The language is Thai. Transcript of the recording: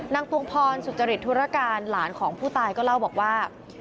ปวงพรสุจริตธุรการหลานของผู้ตายก็เล่าบอกว่า